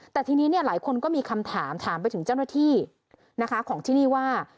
แต่ทีนี้หลายคนก็มีคำถามถามไปถึงเจ้าหน้าที่นะคะของที่นี่ว่า